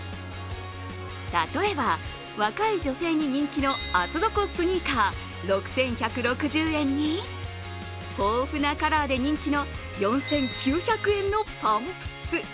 例えば、若い女性に人気の厚底スニーカー６１６０円に、豊富なカラーで人気の４９００円のパンプス。